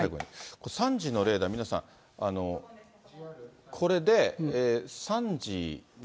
これ、３時のレーダー、皆さん、これで３時出ます？